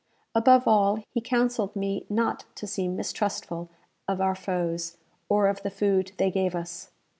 Above all, he counselled me not to seem mistrustful of our foes, or of the food they gave us.